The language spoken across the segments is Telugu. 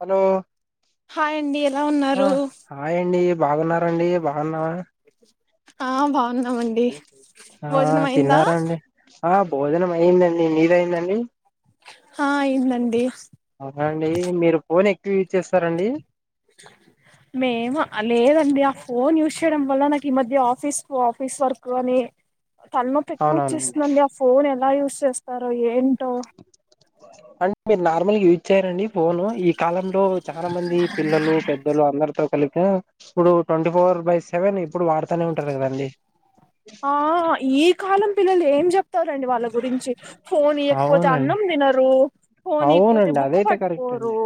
హలో హాయ్ అండి ఎలా హ ఉన్నారు హాయ్ అండి బాగున్నారా అండి బాన్నా ఆ బాన్నామండి ఆ తిన్నారా అండి ఆ భోజనం అయ్యిందండి మీది అయ్యిందండి ఆ ఐందండీ అవున అండి మీరు ఫోన్ ఎక్కువ యూజ్ చేస్తారండి మేము లేదండి ఆ ఫోన్ యూజ్ చేయడం వల్ల నాకి ఈ మధ్య ఆఫీస్ ఆఫీస్ వర్క్ అని తలనొప్ప ఎక్కువ అవునవునండి వచ్చేస్తుందండి ఆ ఫోన్ ఎలా యుస్ స్ చేస్తారో ఏంటో అంటే మీరు నార్మల్గా యూజ్ చేయ్యారండి ఫోను ఈ కాలంలో చాలా మంది పిల్లలు పెద్దలు అందరితో కనుక ఇప్పుడు ట్వంటీ ఫోర్ బై సెవెన్ ఇ ఆ ఈ కాలం పిల్లలి ఏం చెప్తా రండి వాళ్ళ గురించి ఫోన్ ఇయ్యకపోతే అవునండి అన్నం తినరు ఫోన్ ఇయ్యకపోతే అవునండి బుక్ అదైతే కరెక్ట్ అండి పట్టుకోరు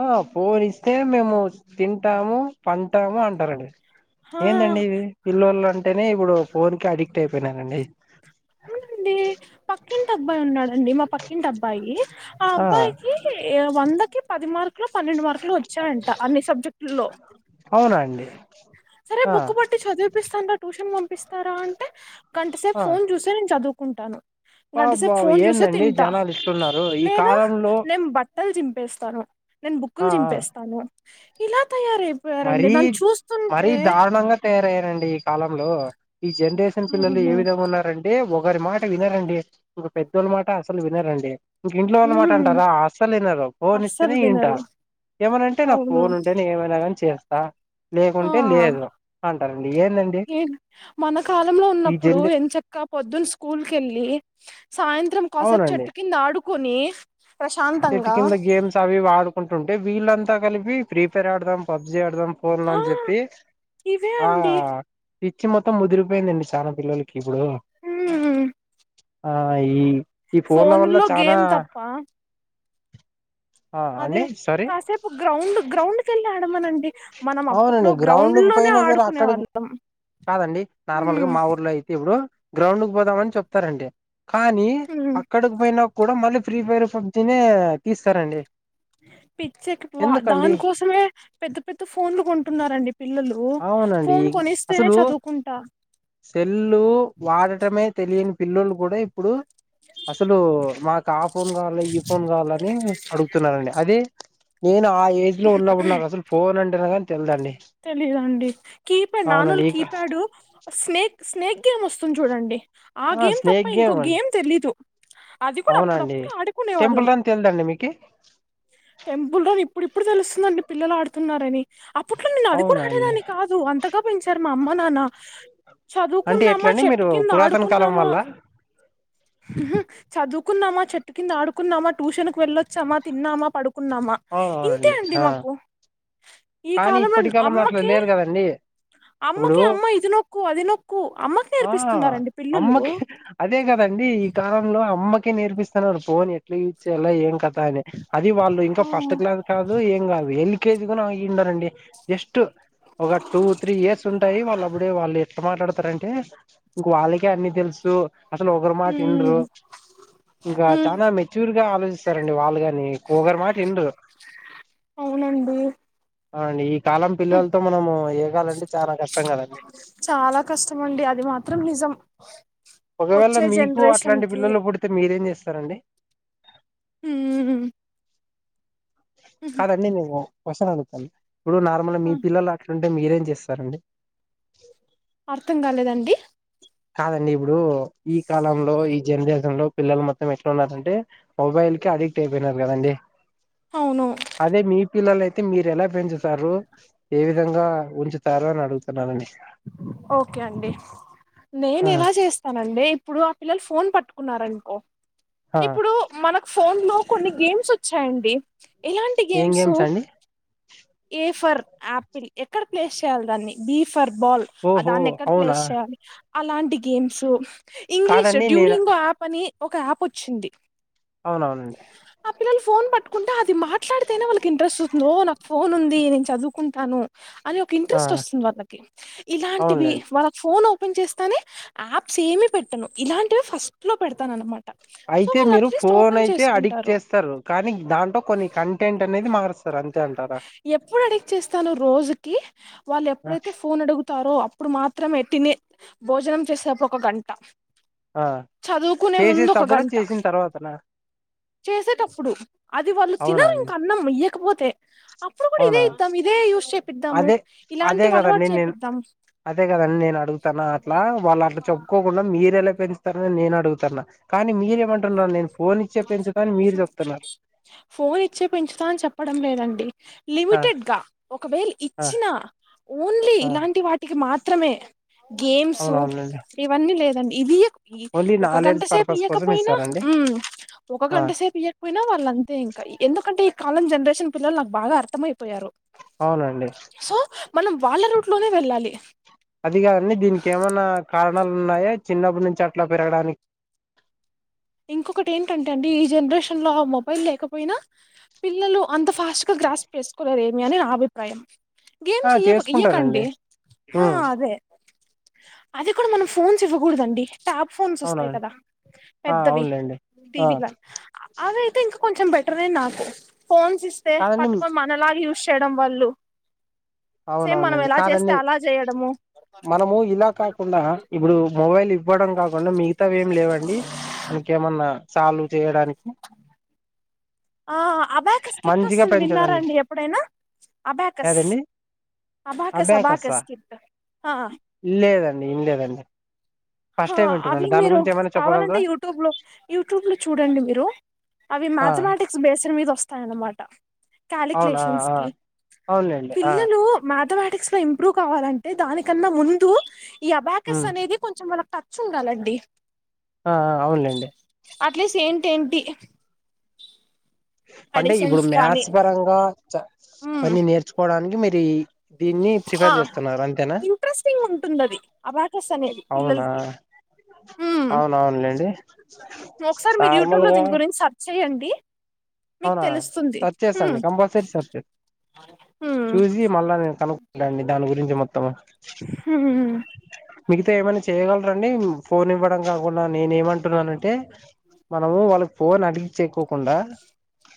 ఆ ఫోన్ ఇస్తే మేము తింటాము పంటాము అంటారండి ఆ ఏందండి ఇది పిల్లువల అంటేనే ఇప్పుడు ఫోన్ కి అడిగి ట్ అయిపోనండి డి పెయింట్ అబ్బాయి ఉన్నారు అండి మా పక్కింటి అబ్బాయి ఆ అబ్బాయికి వందకి పదిమార్ లో పన్నెండు మార్కులు వచ్చాయంట అన్ని సబ్జెక్టులో అవునా అండి సరే ఆ బుక్ బట్టి చదివు పంపిస్తారా ట్యూషన్ పంపిస్తారా అంటే కంఠసే ఆ ఫోన్ చూస చదువుకుంటాను గంట సేపు బాబబాబు ఫోన్ చూసే ఏందండి తింటా జనాలు ఇట్లున్నారు ఈ లేదా కాలంలో నేను బట్టలు చిపేస్తాను నేను బుక్కులు ఆ ఆ చిపేస్తాను ఇలా తయారైపోయారండి మరీ నన్ను మరీ చూస్తుంటే దారుణంగా తయారైంది అండి ఈ కాలంలో ఈ జనరేషన్ పిల్లలు ఏ అవును విధ ఉన్నారంటే ఒక ఒక వారి మాట వినరండి ఒక పెద్దోళ్ళ మాట అసలు వినరండి ఇంక ఇంట్లో వాళ్ళ మాట ఉమ్, అంటారా అసలు లేనార ఫోన్ అస్సలు ఇస్తేనే ఇంటా వినరు ఏమనంటే నాకు అవును ఫోన్ ఉంటేనే ఏమైనా కానీ చేస్తా ఆ లేకుంటే లేదు అంటారండి ఏందండి మన కాలంలో ఈ ఉన్నప్పుడు జనరే ఎంచక్క పొద్దున్న స్కూల్కి వెళ్ళి సాయంత్రం కోస చెట్టుకి నాడు కున్ని చెట్ కింద గేమ్స్ అవి వాడు ఉంటుంటే వీళ్ళంతా కలిపి ప్రీ ఫైర్ ఆడదాం పబ్జీ ఆడదాం. కోర్ల ఆ అని చెప్పి ఇవే ఆ అండి పిచ్చి మొత్తం ముదిరిపోయిందడి చాలా పిల్లకి ఇపుడు మ్మ్ హాయి ఫోను లో గేమ్ తప్పా ఆ అదే అండి సారీ కాసేపు గ్రౌండ్ గ్రౌండ్కెళ్లి అడమనం అవునండి గ్రౌండ్కి పోయినా సర ఆడుకునే అక్కడ వాళ్ళం కాదండి నార్మల్గా మ్మ్ మా ఊర్లో అయితే ఇబ్బుడు గ్రౌండ్ కు పోదామని చెప్తారండి కానీ మ్మ్ అక్కడికి పోయిన కూడ మళ్ళీ ఫ్రీ ఫైర్ పబ్జి తీస్తారండి. పిచ్చెక్కిపో ఎందుకండి దానికోసమే పెద్ద పెద్ద ఫోన్లు కొంటున్నారండి పిల్లలు అవునండి ఫోన్ కొనిస్తేనే అసలు చదువుకుంటా సెల్లు వాడటమే తెలియని పిల్లోలు కూడా ప్పుడు అసలు మాకు ఆ ఫోన్ కావాలి ఈ ఫోన్ కావాలని అడుగుతున్నారండి నేను ఆ ఏజ్ లో ఉన్నపుడు నాకు అసలు ఫోన్ అంటే కాని తెల్దండి. తెలియదండి కీ ప్యాడ్ నాన్నలు కీ ఇక ప్యాడ్ స్నేక్ స్నేక్ ఏంస్తుంది చూడండి. ఆ గేమ్ తప్ప ఇంకో గేమ్ తెలీదు అది కూడా అవునండి అప్పుడప్పుడు ఆడుకునే వాళ్ళం టెంపుల్ రన్ తెలదండి మీకి ఇప్పుడుప్పుడు తెలుసు దండి పిల్లలు ఆడుతున్నారని అప్పుడ్ నేను అది కూడా అవునండి అడేదాన్ని కాదు అంతగా పెంచారు. మా అమ్మ నాన్న అంటే చదువుకున్నామా ఎట్లండి చెట్టు మీరు కింద పురాతన కాలం ఆడుకున్నామా వాళ్ళ చదువుకున్నామా చెట్టు కింద ఆడుకున్నామా ట్యూషన్ కు వెళ్ళొచ్చామా తిన్నామా పడుకు కున్నామా ఇంతే అవునవునండి అండి ఆ మాకు ఈ కానీ ఇప్పటి కాలంలో అట్లా అమ్మకే లేరు కదండి ఇప్పుడు అమ్మకి అమ్మ ఇది నొక్కు అది నొక్కు అమ్మకి ఆ నేర్పిస్తున్నారండి పిల్లలు అమ్మకి అదే కదండి ఈ కాలంలో అమ్మకి కే నేర్పిస్తున్నారు ఫోన్ ఎట్ల యూస్ చేయాలా ఏం కతా అని అది వాళ్ళు ఇంకా ఫస్ట్ హ్మ్ క్లాస్ కాదు ఏం కాదు యెళ్ళి కేజీ గున ఆయి అయి ఉండరండి జస్ట్ ఒక టూ త్రీ ఇయర్స్ ఉంటాయి వాళ్ళు అప్పుడే వాళ్ళు ఎట్ట మాట్లాడతారంటే ఇంక వాళ్ళకే అన్నీ తెలుసు అసలు ఒకరి మాట ఇన్రు ఇంకా హ్మ్ చానా మెచ్యూర్ గా ఆలోచిస్తారండి వాళ్ళు గానీ ఒకరి మాట ఇన్రు అవునండి ఆ నీ కాలం పిల్లలతో మనము ఏగాలంటే చాలా కష్టం కదండి చాలా కష్టం అండి అది మాత్రం నిజం ఒకవేళ వచ్చే మీకు జనరేషన్ అట్లాంటి కి పిల్లలు పుడితే మీరేం చేస్తా సరండి హ్మ్ కాదండి మేము వస్తను అనుకోలె ఇప్పుడు నార్మల్గ మీ పిల్లలు అట్లుం టే మీరేం చేస్తారండి అర్థం కాలేదండి కాదండి ఇప్పుడు ఈ కాలంలో ఈ జెనరేషన్ లో పిల్లలు మొత్తం ఎట్ల ఉన్నారంటే మొబైల్ కి అడిక్ట్ అయిపోయినారు కదండి అవును అదే మీ పిల్లలు అయితే మీరు ఎలా పెంచుతారు ఏ విధంగా ఉంచుతారు అని అడుగుతున్నానండి ఓకే అండి నేను ఆ ఎలా చేస్తానండి ఇప్పుడు ఆ పిల్లలు ఫోన్ పట్టు కున్నారనుకో ఆ ఇప్పుడు మనకు ఫోన్ లో కొన్ని గేమ్స్ వచ్చాయండి ఎలాంటి ఏం గేమ్స్ అండి ఏ ఫర్ ఆపిల్ ఎక్కడ ప్లేస్ చేయాలి దాన్ని బీ ఫర్ బాల్ ఆ ఓహో దాన్నెక్కడ అవునా ప్లేస్ చేయాలి అలాంటి గేమ్స్ ఇంగ్లీష్ కాదండి నేను డ్యూలింగో ఆప్ అని ఒక యాప్ వచ్చింది అవునవునండి కుంట అది మాట్లాడితేనే వాళ్ళకి ఇంట్రెస్ నో నాకు ఫోన్ ఉంది నేను చదువుకుంటాను అని ఒక ఆ ఇంట్రెస్ట్ వస్తుంది వాళ్ళకి ఇలాంటివి అవునులేండి వాళ పో ఫోన్ ఓపెన్ చేస్తానే యాప్స్ ఏమి పెట్టను ఇలాంటివే ఫస్ట్ లో పెడతాను అన్నమా అయితే మీరు ఫోన్ అయితే అడిక్ట్ చేస్తారు కానీ దాంట్లో కొన్ని కంటెంట్ నది మారుస్ ఎప్పుడు అడిక్ట్ చేస్తాను రోజుకి వాళ్ళు ఆ ఎప్పుడైతే ఫోన్ అడుగుతారో అప్పుడు మాత్రమే తినే భోజనం చేసేప్పు ఒక గంట ఆ చదువుకునే ముందు ఒక చేసేటప్పుడా గంట చేసిన తర్వాతనా చేసేటప్పుడు అది వాళ్ళు అవునా తినరు ఇంక అండి అన్నం ఇయ్యాక్ కపోతే అవునా అదే అదే ఇలాంటివి అలవాటు కదండి నేను చేపిద్దాం అదే కదండి నేను అడుగుతాన అట్లా వాళ్ళు అట్లా చెప్పుకోకుండా మీరేలా పెంచస్తారనని నేను అడుగుతాన కానీ మీరేమంటున్న నేను ఫోన్ ఇచ్చే పెంచుతాని మీరు చెప్తున్నారు ఫోన్ ఇచ్చే పెంచుతా అని చెప్పడం లేదండి ఆ లిమిటెడ్ గా ఒకవేళ ఆ ఇచ్చిన ఓన్లీ ఆ ఇలాంటి వాటికి మాత్ మాత్రమే గేమ్సు అవునవునండి ఇవన్నీ లేదండి ఇది ఈ ఓన్లీ ఒక గంట నాలెడ్జ్ సేపు పర్పస్ కోసం ఇయకపోయినా ఇస్తారండి మ్మ్ ఒక ఆ గంట సేపు ఇయ్వకపోయినా వాళ్ళంతే ఇంకా ఎందుకంటే అంటే ఈ కాలం జనరేషన్ పిల్లలు నాకు బాగా అర్థమయిపోయారు అవునండి సో మనం వాళ్ళ రూట్లోనే వెళ్ళాలి అది కాదండి దీనికి ఏమన్నా కారణాలు ఉన్నాయా చిన్నప్పుడు నుంచి అట్లా పెరగడానికి ఇంకొకటి ఏంటంటే అండి ఈ జనరేషన్ లో ఆ మొబైల్ లేకపోయినా పిల్లలు అంత ఫాస్ట్ గా గ్రాస్ప్ చేసుకోలేరు ఏమి అని నా అభిప్రాయం ఆ గేమ్స్ ఇయ చేసుకుంటారండి ఇయకండి హా ఉమ్, అదే అది కూడా మనం ఫోన్స్ ఇవ్వకూడదండి స్టాట్ ఫోన్స్ వస్తాయి అవునవును కదా ఆ పెద్దవి అవునులేండి ఆ టీవీ లా అవైతే ఇంక్ కొంచెం బెటరే నాకు ఫోన్స్ ఇస్తే కాదండి పట్టుకొని మనలాగా యూజ్ చేయడం వాల్ళ్ళు అవునవునండి కాదండి చేయడము మనము ఇలా కాకుండా ఇప్పుడు మొబైల్ ఇవ్వడం కాకుండా మిగతావి ఏమి లేవండి అనకేమన్నా సాల్వ్ చేయడానికి ఆ అబాకస్ కిట్ మంచిగా వస్తుంది విన్నారా పెంచడండి అండి ఎప్పుడైనా అబాకస్ ఏదండి అబాకస్ అబ్యాకస్సా అబాకస్ కిట్ లేదండి ఇన్లేదండి ఫస్ట్ టైం మ్మ్ అవి వింటున్నాను దాని మీరు గురించి ఏమైనా కావాలంటే చెప్పగలరా యూట్యూబ్ లో యూట్యూబ్ లో చూడండి మీరు అవి ఆ మ్యాథమెటిక్స్ బేస్న్ మీద వస్ స్థా అనమాట అవునా కాలిక్యలేషన్స్ ఆ కి అవునులేండి ఆ పిల్లలు మాదవాటి థిక్స్ లో ఇంప్రూవ్ కావాలంటే దానికన్నా ముందు ఈ అబాకస్ ఉమ్ అనేది కొంచెం మన తచ్చ కలండి ఆ అవునులేండి టెంటి అంటే ఇప్పుడు మ్యాథ్స్ పరంగా చ ఉమ్ ఫన్నీ నేర్చుకో నికి మీరి ఆ ఇంట్రెస్టింగ్ ఉంటున్నది అబాకస్ అనే అవునా పిల్లలకి అవునవునులేండి ఒకసారి మీరు యూట్యూబ్ లో నార్మల్గా దీని గురించి సర్చ్ చేయండి మీకు అవునా తెలుస్తుంది సర్చ్ చేస్తా అండి ఉమ్ కంపల్సరీస్త ఉమ్ చూసి మళ్ళా నేను కనుక్ంటా అండి దాని గురించి హిందీ మొత్తం హ మిగతా ఏమైనా చేయగలరాండి ఫోన్ ఇవ్వడం కాకుండా నేనే ఏమంటున్నానంటే మనము వాళ్ళ ఫోన్ అడిగి చెకోకుండా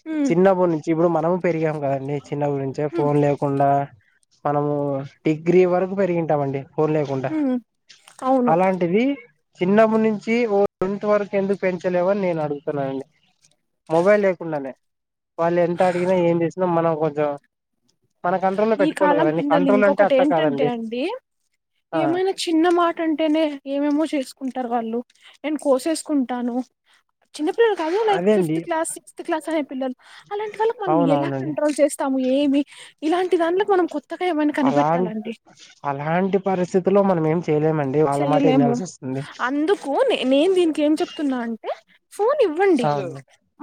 ఉమ్ చిన్న బోని ఇప్పుడు మనం పెరిగాం కదండి చిన్నప్పుడించే ఉమ్ ఫోన్ లేకుండా మనము డిగ్రీ వరకు పెరిగింటాం అండి ఫోన్ లేకుంటా ఉమ్ అవును అలాంటిది చిన్నప్పు నుంచి ఓ ఇట్ వరకు ఎందుకు పెంచలేవని నేను అడుగుతున్నానండి మొబైల్ ఉండలే వాళ్ళు ఎంత అడిగినా ఏం చేసినా మనం కొజ ఈ కాలం పిల్లలు అంటే ఇంకొకటి అట్లా ఏంటంటే కాదండి అండి ఆ ఏమైనా చిన్న మాట అంటేనే ఏమేమో చేసుకుంటారు వాళ్ళు నేను కోసేసుకుంటాను చిన్న పిల్లలు కాదు లైక్ అదే ఫిఫ్త్ అండి క్లాస్ సిక్స్త్ క్లాస్ అనే పిల్లలు అలాంటి వాళ్ళకి మనం ఎలా కంట్రోల్ చేస్తాము ఏమి ఇలాంటి దాంట్లకు మనం కొత్తగా ఏమైనా అలా కనిపెట్టాలండి అలాంటి పరిస్థితులో మనం ఏం చేయలేమండి వాళ్ళ మాట చెయలేము వినాల్సి వస్తుంది అందుకు న నేను దీనికి ఏం చెప్తున్నా అంటే ఫోన్ ఇవ్వండి అవును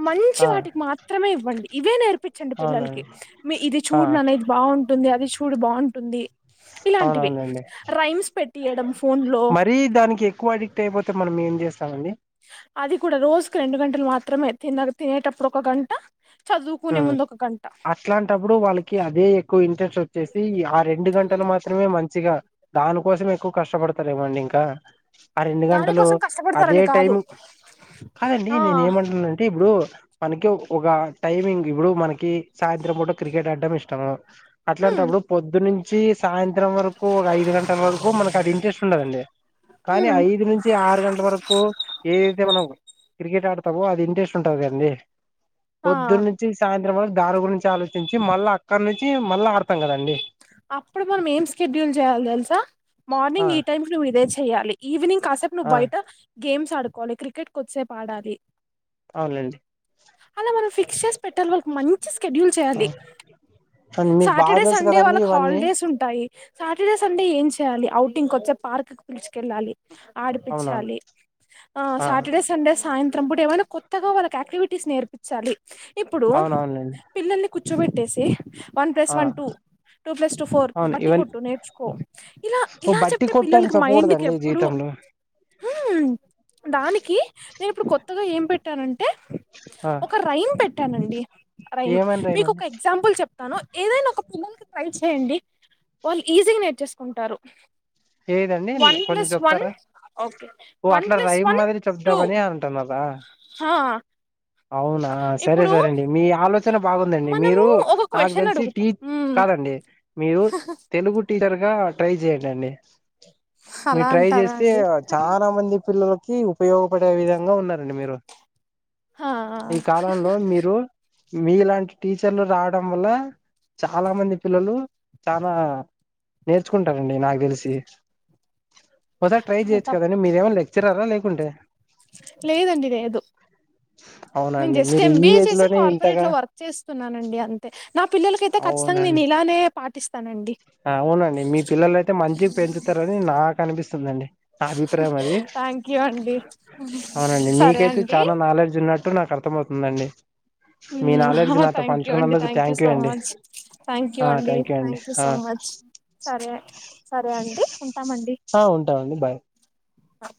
మంచి ఆ వాటికి మాత్రమే ఇవ్వండి ఇవే నేర్పు చండి పిల్లలకి అవునండి మీ ఇది ఆ చూడు నాన్న ఇది బాగుంటుంది అది చు చూడు బాగుంటుంది ఇలాంటివి అవునవునండి రైమ్స్ పెట్ మరీ దానికి ఎక్కువ అడిక్ట్ అయిపోతే మనం ఏం చే స్తామండి అది కూడా రోజుకి రెండు గంటలు మాత్రమే తిన్నగా తినేటప్పుడు ఒక గంట చదువుకునే ముందు ఒక గంట అట్లాంటప్పుడు వాళ్ళకి అదే ఎక్కువ ఇంట్రెస్ట్ వ వచ్చేసి ఆ రెండు గంటలు మాత్రమే మంచి మంచిగా దానికోసం ఎక్కువ కష్టపడతారే మో అండి ఇంకా ఆ రెండు గంటలు దానికోసం అదే కష్టపడతారని కాదు టైం కాదండి ఆ నేనే ఏమంటున్నాంటే ఇప్పుడు మనకి ఒక టైమింగ్ ఇప్పుడు మనకి సాయంత్రం పూట క్రికెట్ ఆడడం ఇష్టము. ఉమ్ అట్లాంటప్పుడు పొద్దు నుంచి సాయంత్రం వరకు ఒక ఐదు గంటల వరకు మనకు అది ఇంట్రెస్ట్ ఉండదండి. కానీ ఉమ్ ఐదు నుంచి ఆరు గంటల వరకు ఏదైతే మనం క్రికెట్ ఆడతామో అది ఇంట్రెస్ట్ ఉంటది కందండి. ఆ పొద్దునా నుంచి సాయం త్రం మళ్ళ దారి గురించి ఆలోచించి మళ్ళీ అక్కడి నుంచి మళ్ళీ ఆడతాం కదండి. అప్పుడు మనం ఏం స్కెడ్యూల్ చేయాలి. తెలుసా ఆ మార్నింగ్ ఈ టైమ్కి నువ్వు ఇదే చెయ్యాలి ఈవినింగ్ కాసేపు నువ్వు ఆ బయట గేమ్స్ ఆడుకోవాలి క్రికెట్ కు కొద్ది సేపు ఆడాలి అవునులేండి అలా మనం ఫిక్స్ చేసి పెట్టాలి. వాళ్ళకి మంచి స్కెడ్యూల్ ఆ చేయాలి. అవును మీకు బాగా సాటర్డే తెలుసు సండే కదండి వాళ్ళకు ఇవన్నీ హాలిడేస్ ఉంటాయి. సాటర్డే సండే ఏం చేయాలి. ఔటింగ్ వోచ్చే పార్క్ కు పిలుచుకెళ్ళాలి. అవునవును ఆడిపించాలి. ఆ సాటర్డే సండే సాయం త్రంప్పుడు ఏమైనా కొత్తగా వాళ్కి యాక్టివిటీస్ నేర్పించాలి. ఇప్పుడు అవునవునులేండి పిల్లల్లి కూర్చో బెట్టేసి వన్ ప్లస్ ఆ one two two plus two four అవును బట్టి ఇవన్నీ కొట్టు నేర్చుకో ఇలా ఓ ఇలా బట్టి చెప్తే కొట్టు అని పిల్లలకి మైండ్కి చెప్పకూడదండి ఎప్పుడు జీవితంలో దానికి నేను ఇప్పుడు కొత్తగా ఏం పెట్టానంటే ఆ ఒక రైమ్ పెట్టానండి రైమ్ ఏమని మీకు ఒక రైమండి ఎగ్జాంపుల్ చెప్ తను ఏదైనా ఒక [unintelligible] ట్రై చేయండి వాళ్ళు ఈజీగా నేర్చేసుకుంటారు ఏదండి వన్ కొంచం ప్లస్ వన్ చెప్తారా ఓకే ఓ వన్ అట్లా ప్లస్ రైమ్ వన్ మాదిరి టూ చెప్దామని అంటన్నరా హా అవునా సరే ఇప్పుడు సరే అండి మీ ఆలోచన బాగుందండి మనము మీరు ఒక నాకు క్వశ్చన్ తెలిసి అడుగుతాం టీచ్ మ్మ్ కాదండి మీరు తెలుగు టీచర్ గా ట్రై చేయండి అండి మీరు అలా ట్రై అంటారా చేస్తే అండి చాలా మంది పిల్లల కి ఉ ఉపయోగపడే విధంగా ఉన్నారండి మీరు హ ఆ ఈ కాలంలో మీరు మీలాంటి టీచర్లు రావడం వల్ల చాలా మంది పిల్లలు చనాా నేర్చుకుంటారండి నాకు తెలిసి [unintelligible] ఒకసారి ట్రై ఆ చేయొచ్చు తప్ కదండి మీరేమన్నా లెక్చరరా లేకుంటే లేదండి లేదు నేను అవునండి జస్ట్ మీరు ఈ ఎంబీఏ ఏజ్ చేసి లోనే కార్పొరేట్ ఇంతగా లో వర్క్ చేస్తున్నానండి అంతే నా పిల్లలకైతే కచ్చితంగా నేను ఇలానె పా ఆ అవునండి మీ పిల్లలు అయితే మంచి పెంచుతారని నాకు అనిపిస్తుంది ండి నా అభిప్రాయం అది థ్యాంక్ యూ అండి అవునండి సరే మీకైతే అండి చాలా నాలెడ్జ్ ఉన్నట్టు అప్పుటు నాకు అర్థమవుతుందండి మీ నాలెడ్జ్ నాతో థ్యాంక్ యూ అండి పంచుకున్నందుకు థ్యాంక్ ూ యూ సో అండి మచ్ థాంక్యూ ఆ అండి థ్యాంక్ యూ థాంక్యూ ఆ సో మచ్ సరే సరే అండి ఉంటామండి ఆ ఉంటామండి బాయ్ స